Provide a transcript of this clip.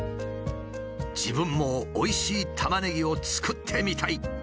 「自分もおいしいタマネギを作ってみたい！」。